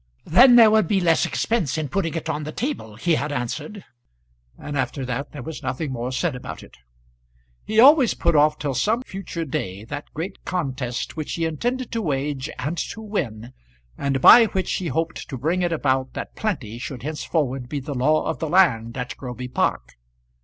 "Then there would be less expense in putting it on the table," he had answered; and after that there was nothing more said about it. He always put off till some future day that great contest which he intended to wage and to win, and by which he hoped to bring it about that plenty should henceforward be the law of the land at Groby Park.